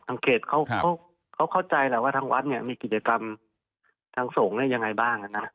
เขตเขาเข้าใจแหละว่าทางวัดเนี่ยมีกิจกรรมทางสงฆ์ยังไงบ้างนะ